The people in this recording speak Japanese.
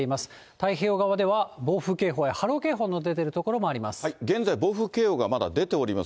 太平洋側では、暴風警報や波浪警報の出ている所もあります。